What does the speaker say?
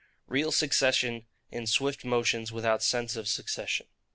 Real succession in swift motions without sense of succession.